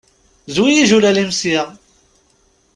Zwi ijulal-im sya!